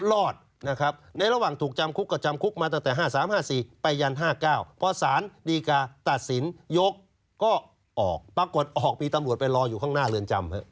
รอดนะครับในระหว่างถูกจำคุกก็จำคุกมาตั้งแต่๕๓๕๔ไปยัน๕๙พอสารดีกาตัดสินยกก็ออกปรากฏออกมีตำรวจไปรออยู่ข้างหน้าเรือนจำ